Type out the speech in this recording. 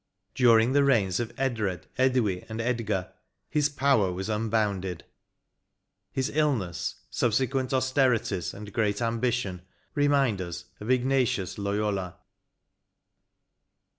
During the reigns of Edred, Edwy, and Edgar, his power was un bounded. His illness, subsequent austerities, and great ambition, remind us of Ignatius Loyola.